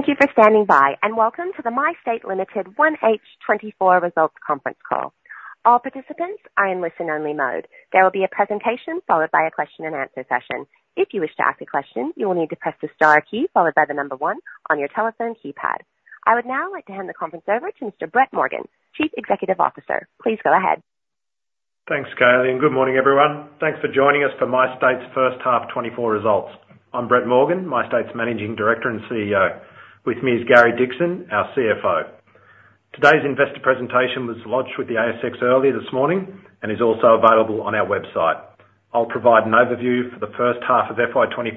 Thank you for standing by, and welcome to the MyState Limited 1H 2024 results conference call. All participants are in listen-only mode. There will be a presentation followed by a question-and-answer session. If you wish to ask a question, you will need to press the star key followed by the number one on your telephone keypad. I would now like to hand the conference over to Mr. Brett Morgan, Chief Executive Officer. Please go ahead. Thanks, Kayleigh, and good morning, everyone. Thanks for joining us for MyState's first half 2024 results. I'm Brett Morgan, MyState's Managing Director and CEO. With me is Gary Dickson, our CFO. Today's investor presentation was launched with the ASX earlier this morning and is also available on our website. I'll provide an overview for the first half of FY 2024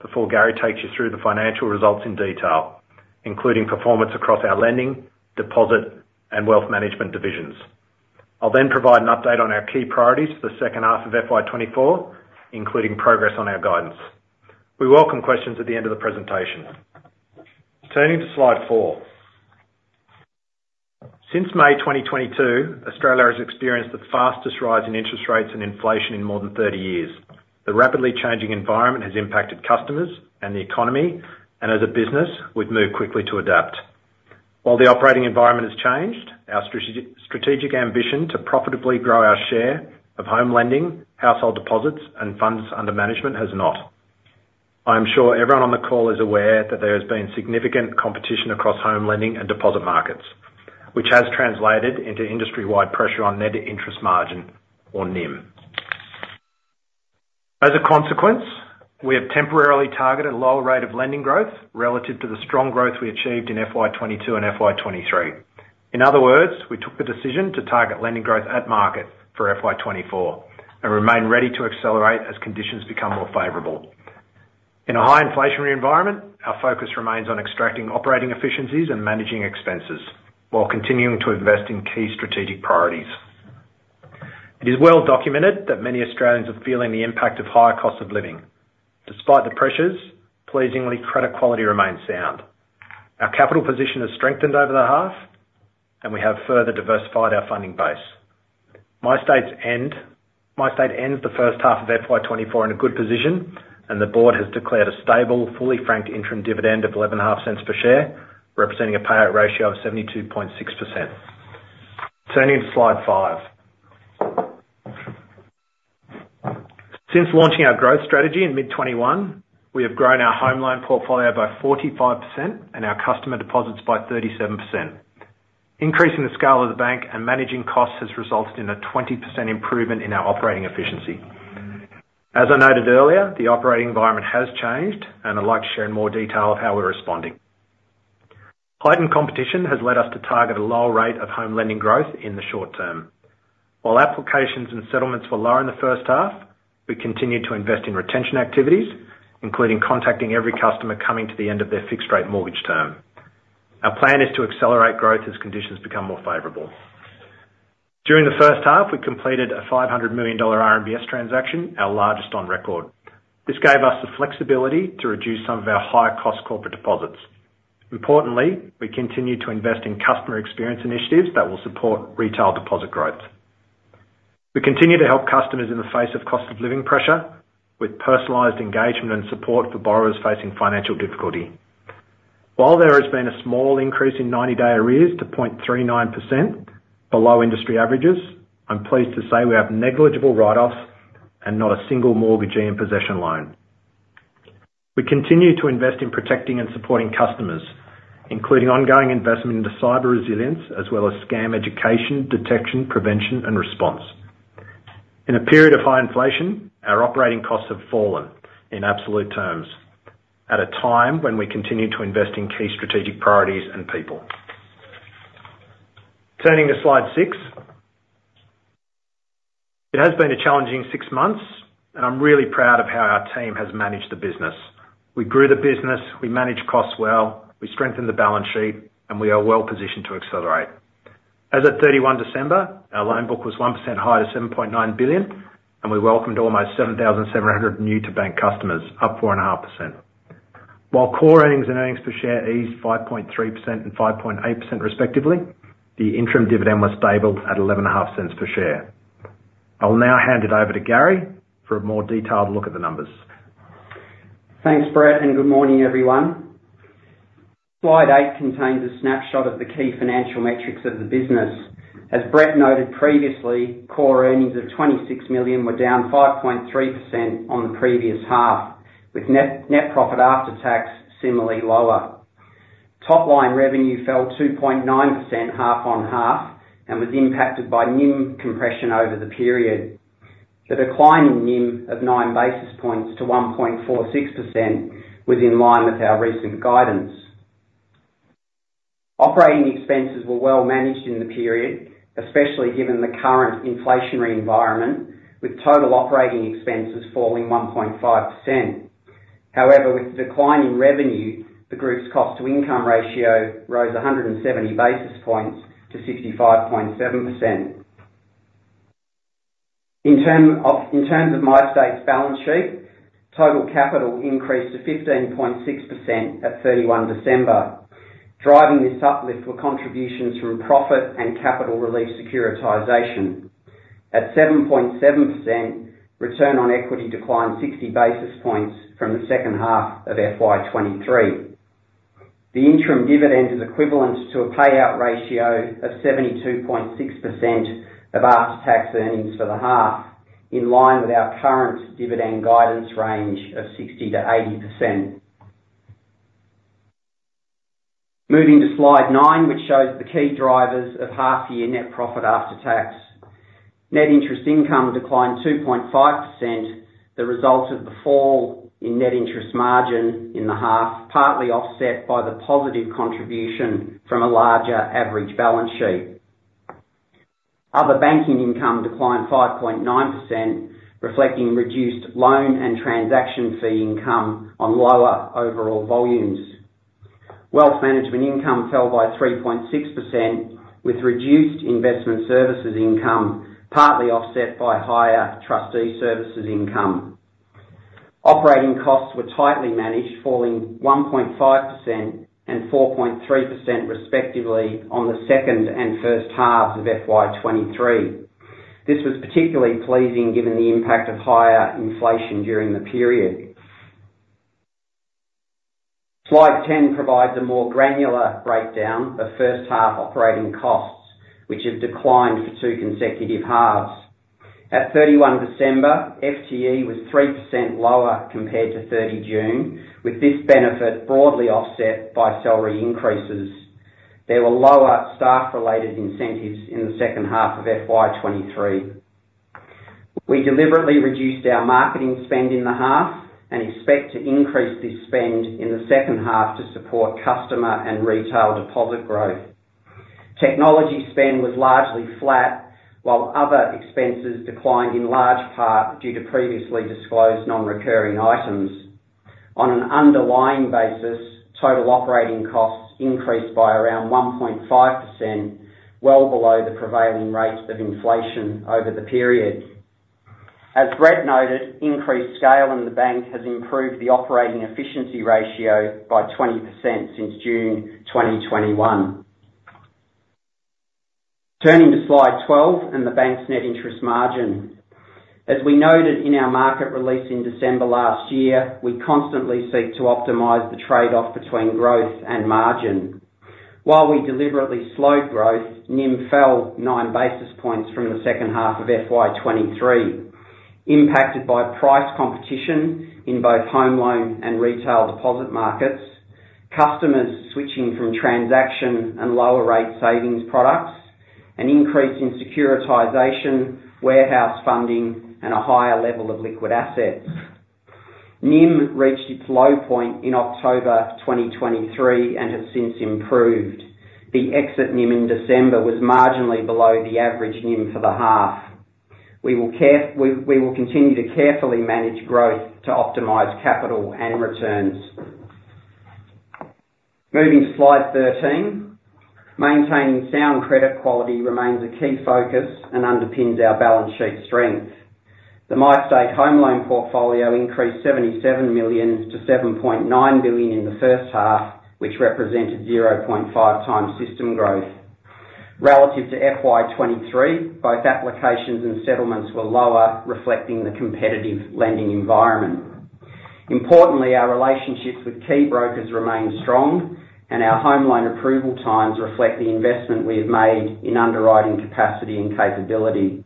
before Gary takes you through the financial results in detail, including performance across our lending, deposit, and wealth management divisions. I'll then provide an update on our key priorities for the second half of FY 2024, including progress on our guidance. We welcome questions at the end of the presentation. Turning to slide four. Since May 2022, Australia has experienced the fastest rise in interest rates and inflation in more than 30 years. The rapidly changing environment has impacted customers and the economy, and as a business, we've moved quickly to adapt. While the operating environment has changed, our strategic ambition to profitably grow our share of home lending, household deposits, and funds under management has not. I am sure everyone on the call is aware that there has been significant competition across home lending and deposit markets, which has translated into industry-wide pressure on net interest margin, or NIM. As a consequence, we have temporarily targeted a lower rate of lending growth relative to the strong growth we achieved in FY 2022 and FY 2023. In other words, we took the decision to target lending growth at market for FY 2024 and remain ready to accelerate as conditions become more favorable. In a high-inflationary environment, our focus remains on extracting operating efficiencies and managing expenses while continuing to invest in key strategic priorities. It is well documented that many Australians are feeling the impact of higher costs of living. Despite the pressures, pleasingly, credit quality remains sound. Our capital position has strengthened over the half, and we have further diversified our funding base. MyState ends the first half of FY 2024 in a good position, and the board has declared a stable, fully franked interim dividend of 0.015 per share, representing a payout ratio of 72.6%. Turning to slide five. Since launching our growth strategy in mid-2021, we have grown our home loan portfolio by 45% and our customer deposits by 37%. Increasing the scale of the bank and managing costs has resulted in a 20% improvement in our operating efficiency. As I noted earlier, the operating environment has changed, and I'd like to share in more detail of how we're responding. Heightened competition has led us to target a lower rate of home lending growth in the short term. While applications and settlements were lower in the first half, we continued to invest in retention activities, including contacting every customer coming to the end of their fixed-rate mortgage term. Our plan is to accelerate growth as conditions become more favorable. During the first half, we completed a 500 million dollar RMBS transaction, our largest on record. This gave us the flexibility to reduce some of our higher-cost corporate deposits. Importantly, we continue to invest in customer experience initiatives that will support retail deposit growth. We continue to help customers in the face of cost-of-living pressure with personalized engagement and support for borrowers facing financial difficulty. While there has been a small increase in 90-day arrears to 0.39% below industry averages, I'm pleased to say we have negligible write-offs and not a single mortgagee in possession loan. We continue to invest in protecting and supporting customers, including ongoing investment into cyber resilience as well as scam education, detection, prevention, and response. In a period of high inflation, our operating costs have fallen in absolute terms at a time when we continue to invest in key strategic priorities and people. Turning to slide six. It has been a challenging six months, and I'm really proud of how our team has managed the business. We grew the business, we managed costs well, we strengthened the balance sheet, and we are well positioned to accelerate. As of 31 December, our loan book was 1% higher to 7.9 billion, and we welcomed almost 7,700 new-to-bank customers, up 4.5%. While core earnings and earnings per share eased 5.3% and 5.8% respectively, the interim dividend was stable at 0.015 per share. I'll now hand it over to Gary for a more detailed look at the numbers. Thanks, Brett, and good morning, everyone. Slide eight contains a snapshot of the key financial metrics of the business. As Brett noted previously, core earnings of 26 million were down 5.3% on the previous half, with net profit after tax similarly lower. Top-line revenue fell 2.9% half-on-half and was impacted by NIM compression over the period. The decline in NIM of 9 basis points to 1.46% was in line with our recent guidance. Operating expenses were well managed in the period, especially given the current inflationary environment, with total operating expenses falling 1.5%. However, with the decline in revenue, the group's cost-to-income ratio rose 170 basis points to 65.7%. In terms of MyState's balance sheet, total capital increased to 15.6% at 31 December. Driving this uplift were contributions from profit and capital relief securitization. At 7.7%, return on equity declined 60 basis points from the second half of FY 2023. The interim dividend is equivalent to a payout ratio of 72.6% of after-tax earnings for the half, in line with our current dividend guidance range of 60%-80%. Moving to slide 9, which shows the key drivers of half-year net profit after tax. Net interest income declined 2.5%, the result of the fall in net interest margin in the half, partly offset by the positive contribution from a larger average balance sheet. Other banking income declined 5.9%, reflecting reduced loan and transaction fee income on lower overall volumes. Wealth management income fell by 3.6%, with reduced investment services income partly offset by higher trustee services income. Operating costs were tightly managed, falling 1.5% and 4.3% respectively on the second and first halves of FY 2023. This was particularly pleasing given the impact of higher inflation during the period. Slide 10 provides a more granular breakdown of first-half operating costs, which have declined for two consecutive halves. At 31 December, FTE was 3% lower compared to 30 June, with this benefit broadly offset by salary increases. There were lower staff-related incentives in the second half of FY 2023. We deliberately reduced our marketing spend in the half and expect to increase this spend in the second half to support customer and retail deposit growth. Technology spend was largely flat, while other expenses declined in large part due to previously disclosed non-recurring items. On an underlying basis, total operating costs increased by around 1.5%, well below the prevailing rate of inflation over the period. As Brett noted, increased scale in the bank has improved the operating efficiency ratio by 20% since June 2021. Turning to slide 12 and the bank's net interest margin. As we noted in our market release in December last year, we constantly seek to optimize the trade-off between growth and margin. While we deliberately slowed growth, NIM fell 9 basis points from the second half of FY 2023, impacted by price competition in both home loan and retail deposit markets, customers switching from transaction and lower-rate savings products, an increase in securitization, warehouse funding, and a higher level of liquid assets. NIM reached its low point in October 2023 and has since improved. The exit NIM in December was marginally below the average NIM for the half. We will continue to carefully manage growth to optimize capital and returns. Moving to slide 13. Maintaining sound credit quality remains a key focus and underpins our balance sheet strength. The MyState home loan portfolio increased 77 million to 7.9 billion in the first half, which represented 0.5x system growth. Relative to FY 2023, both applications and settlements were lower, reflecting the competitive lending environment. Importantly, our relationships with key brokers remain strong, and our home loan approval times reflect the investment we have made in underwriting capacity and capability.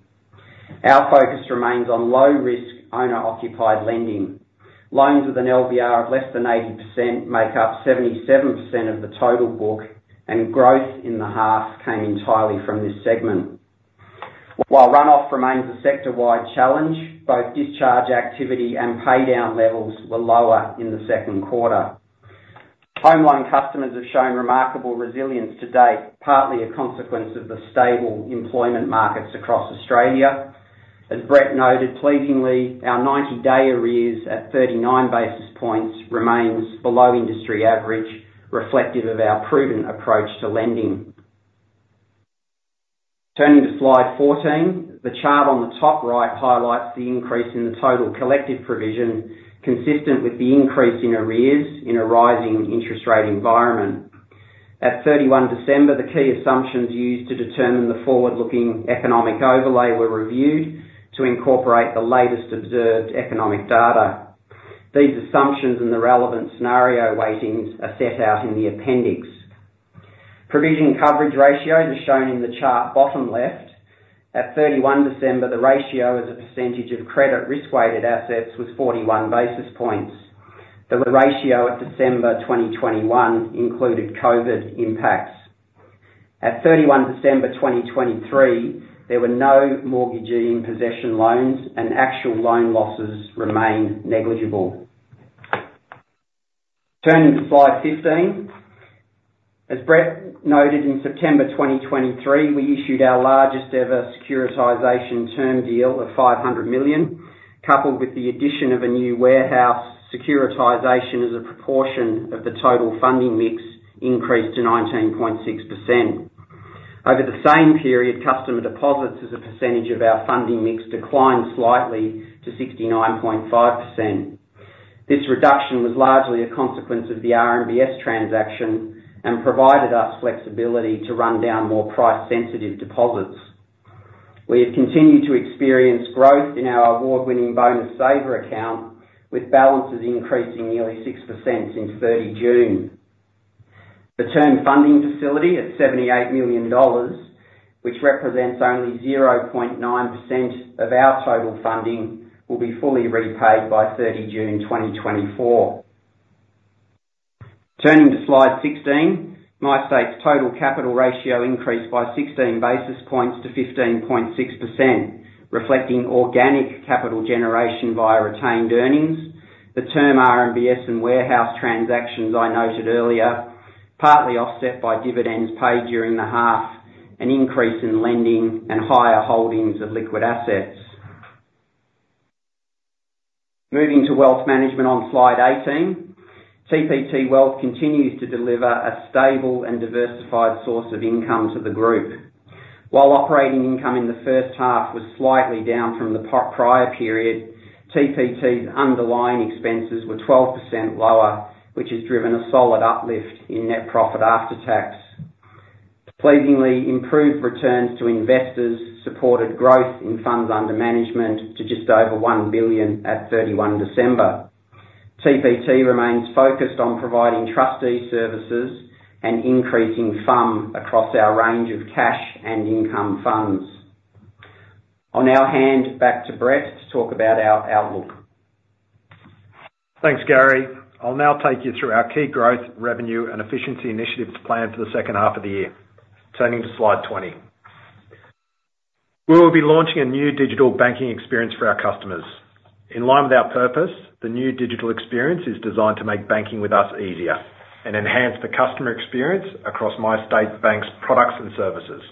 Our focus remains on low-risk owner-occupied lending. Loans with an LVR of less than 80% make up 77% of the total book, and growth in the half came entirely from this segment. While run-off remains a sector-wide challenge, both discharge activity and paydown levels were lower in the second quarter. Home loan customers have shown remarkable resilience to date, partly a consequence of the stable employment markets across Australia. As Brett noted pleasingly, our 90-day arrears at 39 basis points remains below industry average, reflective of our prudent approach to lending. Turning to slide 14. The chart on the top right highlights the increase in the total collective provision, consistent with the increase in arrears in a rising interest-rate environment. At 31 December, the key assumptions used to determine the forward-looking economic overlay were reviewed to incorporate the latest observed economic data. These assumptions and the relevant scenario weightings are set out in the appendix. Provision coverage ratios are shown in the chart bottom left. At 31 December, the ratio as a percentage of credit risk-weighted assets was 41 basis points. The ratio at December 2021 included COVID impacts. At 31 December 2023, there were no mortgagee in possession loans, and actual loan losses remain negligible. Turning to slide 15. As Brett noted in September 2023, we issued our largest-ever securitization term deal of 500 million, coupled with the addition of a new warehouse securitization as a proportion of the total funding mix, increased to 19.6%. Over the same period, customer deposits as a percentage of our funding mix declined slightly to 69.5%. This reduction was largely a consequence of the RMBS transaction and provided us flexibility to run down more price-sensitive deposits. We have continued to experience growth in our award-winning Bonus Saver Account, with balances increasing nearly 6% since 30 June. The Term Funding Facility at 78 million dollars, which represents only 0.9% of our total funding, will be fully repaid by 30 June 2024. Turning to slide 16. MyState's total capital ratio increased by 16 basis points to 15.6%, reflecting organic capital generation via retained earnings, the term RMBS and warehouse transactions I noted earlier, partly offset by dividends paid during the half, an increase in lending, and higher holdings of liquid assets. Moving to wealth management on slide 18. TPT Wealth continues to deliver a stable and diversified source of income to the group. While operating income in the first half was slightly down from the prior period, TPT's underlying expenses were 12% lower, which has driven a solid uplift in net profit after tax. Pleasingly improved returns to investors supported growth in funds under management to just over 1 billion at 31 December. TPT remains focused on providing trustee services and increasing FUM across our range of cash and income funds. On our end, back to Brett to talk about our outlook. Thanks, Gary. I'll now take you through our key growth, revenue, and efficiency initiatives planned for the second half of the year. Turning to slide 20. We will be launching a new digital banking experience for our customers. In line with our purpose, the new digital experience is designed to make banking with us easier and enhance the customer experience across MyState Bank's products and services.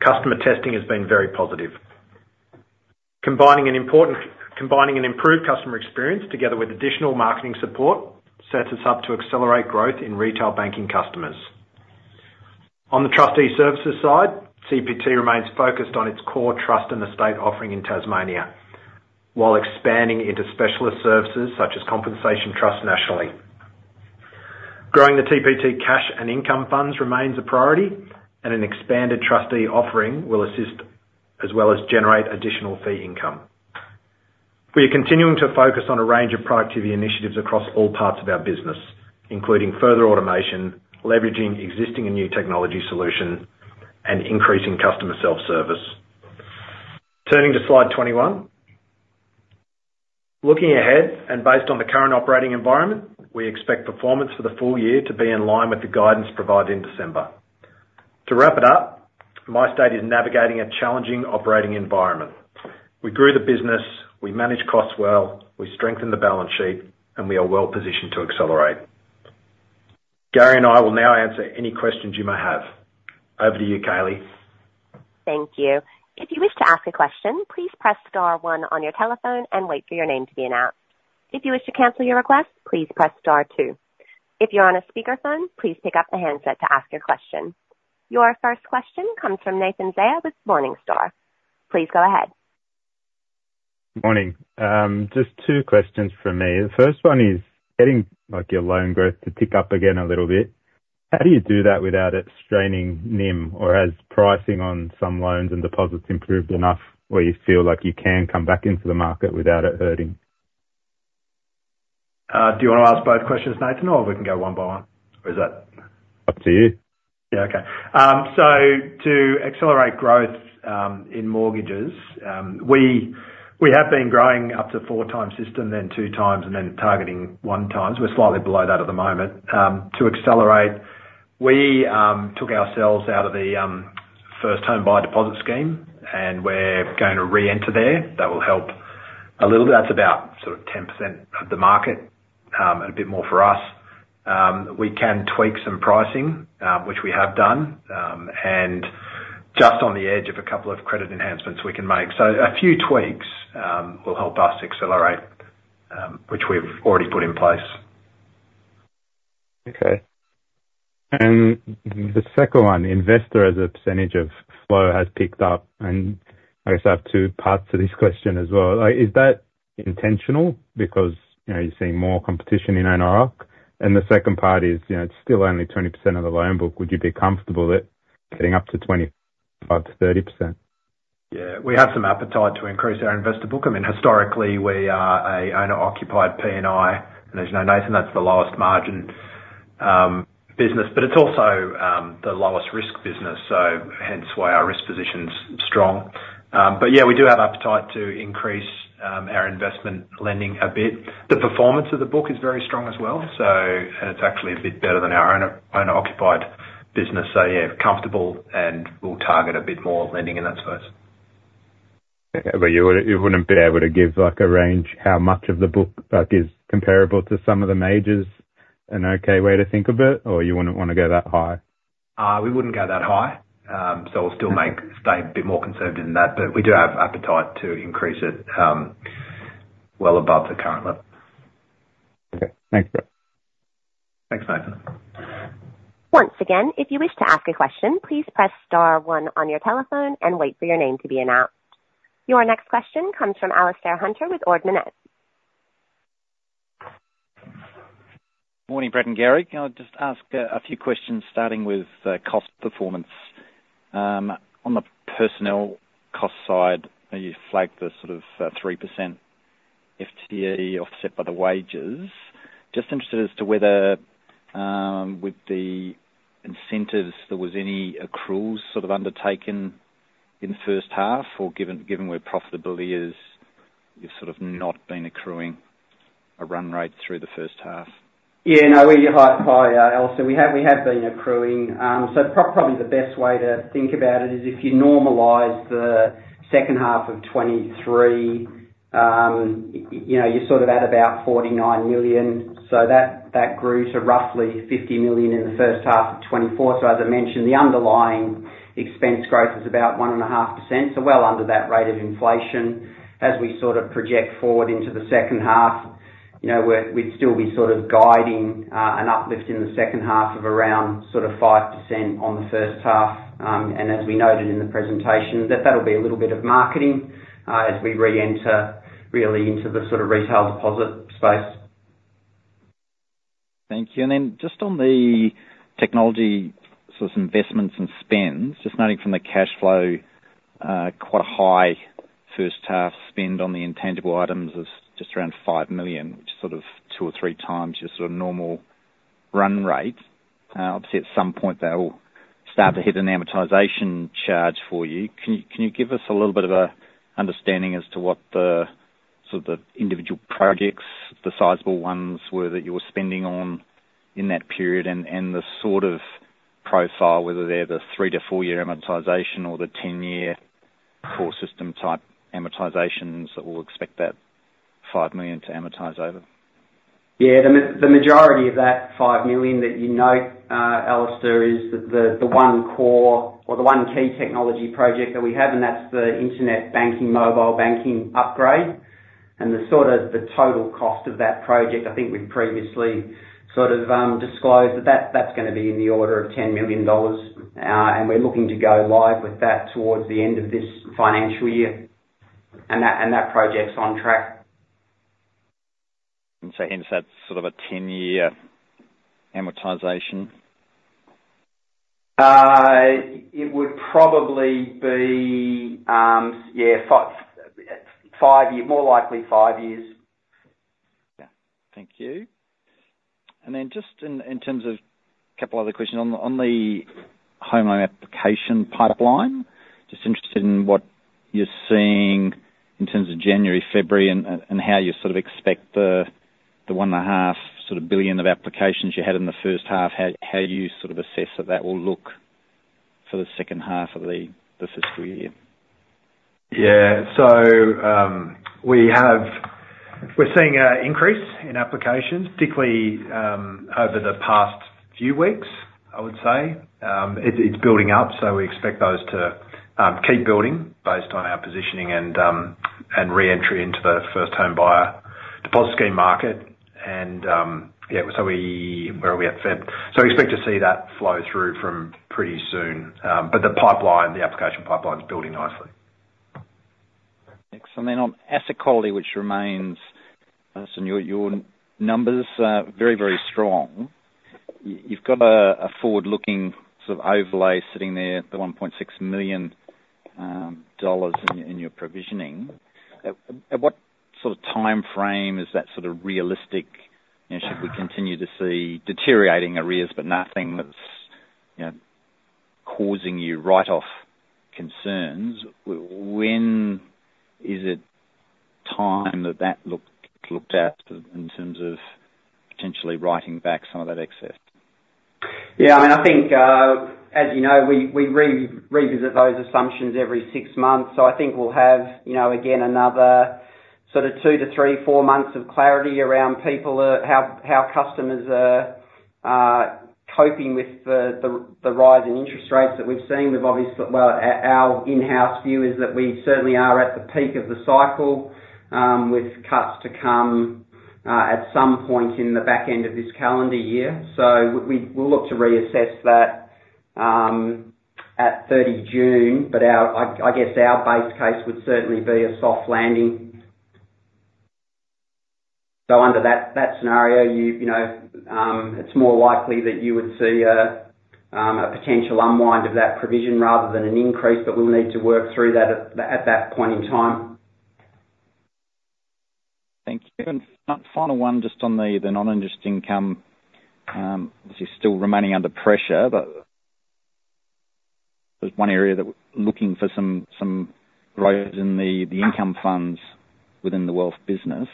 Customer testing has been very positive. Combining an improved customer experience together with additional marketing support sets us up to accelerate growth in retail banking customers. On the trustee services side, TPT remains focused on its core trust and estate offering in Tasmania while expanding into specialist services such as compensation trust nationally. Growing the TPT Cash and Income Funds remains a priority, and an expanded trustee offering will assist as well as generate additional fee income. We are continuing to focus on a range of productivity initiatives across all parts of our business, including further automation, leveraging existing and new technology solutions, and increasing customer self-service. Turning to slide 21. Looking ahead and based on the current operating environment, we expect performance for the full year to be in line with the guidance provided in December. To wrap it up, MyState is navigating a challenging operating environment. We grew the business, we manage costs well, we strengthen the balance sheet, and we are well positioned to accelerate. Gary and I will now answer any questions you may have. Over to you, Kayleigh. Thank you. If you wish to ask a question, please press star one on your telephone and wait for your name to be announced. If you wish to cancel your request, please press star two. If you're on a speakerphone, please pick up the handset to ask your question. Your first question comes from Nathan Zaia with Morningstar. Please go ahead. Morning. Just two questions from me. The first one is getting your loan growth to tick up again a little bit. How do you do that without it straining NIM, or has pricing on some loans and deposits improved enough where you feel like you can come back into the market without it hurting? Do you want to ask both questions, Nathan, or we can go one by one? Or is that? Up to you. Yeah. Okay. So to accelerate growth in mortgages, we have been growing up to four times system, then two times, and then targeting one times. We're slightly below that at the moment. To accelerate, we took ourselves out of the First Home Buyer Deposit Scheme, and we're going to re-enter there. That will help a little bit. That's about sort of 10% of the market and a bit more for us. We can tweak some pricing, which we have done, and just on the edge of a couple of credit enhancements we can make. So a few tweaks will help us accelerate, which we've already put in place. Okay. And the second one, investor as a percentage of flow has picked up. And I guess I have two parts to this question as well. Is that intentional because you're seeing more competition in owner-occupied? And the second part is, it's still only 20% of the loan book. Would you be comfortable with it getting up to 25%-30%? Yeah. We have some appetite to increase our investor book. I mean, historically, we are a owner-occupied P&I, and as you know, Nathan, that's the lowest margin business. But it's also the lowest risk business, so hence why our risk position's strong. But yeah, we do have appetite to increase our investment lending a bit. The performance of the book is very strong as well, and it's actually a bit better than our owner-occupied business. So yeah, comfortable, and we'll target a bit more lending in that space. But you wouldn't be able to give a range how much of the book is comparable to some of the majors, an okay way to think of it, or you wouldn't want to go that high? We wouldn't go that high. We'll still stay a bit more conservative in that. We do have appetite to increase it well above the current level. Okay. Thanks, Brett. Thanks, Nathan. Once again, if you wish to ask a question, please press star one on your telephone and wait for your name to be announced. Your next question comes from Alastair Hunter with Ord Minnett. Morning, Brett and Gary. I'll just ask a few questions starting with cost performance. On the personnel cost side, you flagged the sort of 3% FTE offset by the wages. Just interested as to whether with the incentives, there was any accruals sort of undertaken in the first half, or given where profitability is, you've sort of not been accruing a run rate through the first half? Yeah. No, we're high, Alastair. We have been accruing. So probably the best way to think about it is if you normalize the second half of 2023, you're sort of at about 49 million. So that grew to roughly 50 million in the first half of 2024. So as I mentioned, the underlying expense growth is about 1.5%, so well under that rate of inflation. As we sort of project forward into the second half, we'd still be sort of guiding an uplift in the second half of around sort of 5% on the first half. And as we noted in the presentation, that'll be a little bit of marketing as we re-enter really into the sort of retail deposit space. Thank you. Then just on the technology sort of investments and spends, just noting from the cash flow, quite a high first-half spend on the intangible items is just around 5 million, which is sort of two or three times your sort of normal run rate. Obviously, at some point, they'll start to hit an amortization charge for you. Can you give us a little bit of an understanding as to what sort of the individual projects, the sizable ones were that you were spending on in that period, and the sort of profile, whether they're the three- to four-year amortization or the 10-year core system type amortizations that will expect that 5 million to amortize over? Yeah. The majority of that 5 million that you note, Alastair, is the one core or the one key technology project that we have, and that's the internet banking, mobile banking upgrade. And the sort of the total cost of that project, I think we've previously sort of disclosed, that's going to be in the order of 10 million dollars. And we're looking to go live with that towards the end of this financial year. And that project's on track. And so hence that sort of a 10-year amortization? It would probably be, yeah, more likely five years. Yeah. Thank you. And then just in terms of a couple of other questions, on the home loan application pipeline, just interested in what you're seeing in terms of January, February, and how you sort of expect the 1.5 sort of billion of applications you had in the first half, how you sort of assess that that will look for the second half of the fiscal year? Yeah. So we're seeing an increase in applications, particularly over the past few weeks, I would say. It's building up, so we expect those to keep building based on our positioning and re-entry into the first home buy deposit scheme market. And yeah, so where are we at Fed? So we expect to see that flow through pretty soon. But the application pipeline's building nicely. Thanks. Then ethically which remains, some your numbers are very, very strong. You've got a forward-looking sort of overlay sitting there, the 1.6 million dollars in your provisioning. At what sort of timeframe is that sort of realistic? Should we continue to see deteriorating arrears but nothing that's causing you write-off concerns? When is it time that that looked at in terms of potentially writing back some of that excess? Yeah. I mean, I think, as you know, we revisit those assumptions every six months. So I think we'll have, again, another sort of two-three, four months of clarity around people, how customers are coping with the rise in interest rates that we've seen. Well, our in-house view is that we certainly are at the peak of the cycle with cuts to come at some point in the back end of this calendar year. So we'll look to reassess that at 30 June. But I guess our base case would certainly be a soft landing. So under that scenario, it's more likely that you would see a potential unwind of that provision rather than an increase. But we'll need to work through that at that point in time. Thank you. Final one, just on the non-interest income, obviously, still remaining under pressure, but there's one area that we're looking for some growth in the income funds within the wealth business.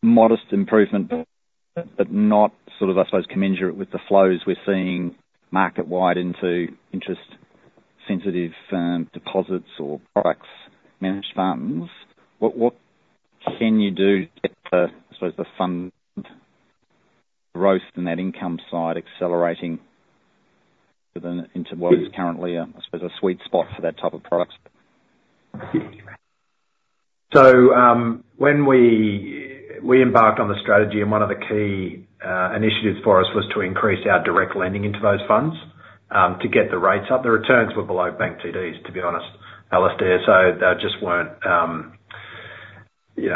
Modest improvement but not sort of, I suppose, commensurate with the flows we're seeing market-wide into interest-sensitive deposits or products managed funds. What can you do to get the, I suppose, the fund growth in that income side accelerating into what is currently, I suppose, a sweet spot for that type of products? So when we embarked on the strategy, and one of the key initiatives for us was to increase our direct lending into those funds to get the rates up. The returns were below bank TDs, to be honest, Alastair. So they just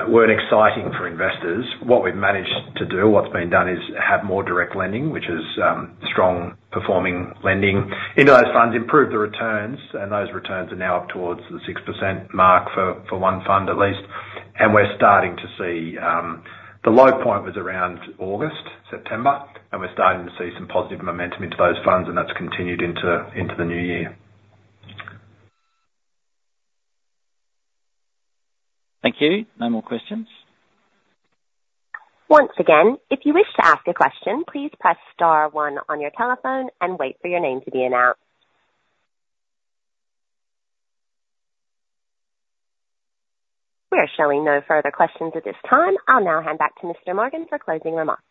weren't exciting for investors. What we've managed to do, what's been done, is have more direct lending, which is strong-performing lending into those funds, improve the returns. And those returns are now up towards the 6% mark for one fund at least. And we're starting to see the low point was around August, September. And we're starting to see some positive momentum into those funds, and that's continued into the new year. Thank you. No more questions? Once again, if you wish to ask a question, please press star one on your telephone and wait for your name to be announced. We are showing no further questions at this time. I'll now hand back to Mr. Morgan for closing remarks.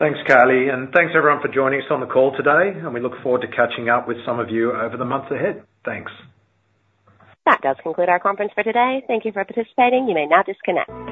Thanks, Kayleigh. Thanks, everyone, for joining us on the call today. We look forward to catching up with some of you over the months ahead. Thanks. That does conclude our conference for today. Thank you for participating. You may now disconnect.